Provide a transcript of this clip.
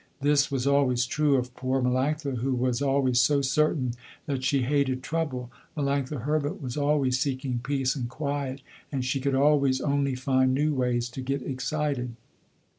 This was always true of poor Melanctha who was always so certain that she hated trouble. Melanctha Herbert was always seeking peace and quiet, and she could always only find new ways to get excited.